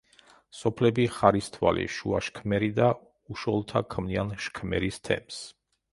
სოფლები ხარისთვალი, შუა შქმერი და უშოლთა ქმნიან შქმერის თემს.